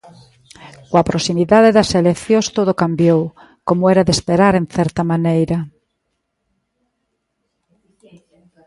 Coa proximidade das eleccións todo cambiou, como era de esperar en certa maneira.